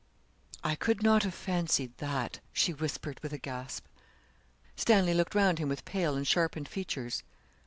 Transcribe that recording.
'I could not have fancied that,' she whispered with a gasp. Stanley looked round him with pale and sharpened features.